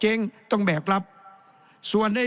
แสดงว่าความทุกข์มันไม่ได้ทุกข์เฉพาะชาวบ้านด้วยนะ